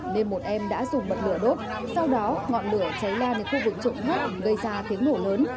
nên một em đã dùng bật lửa đốt sau đó ngọn lửa cháy lan đến khu vực trụng hấp gây ra tiếng nổ lớn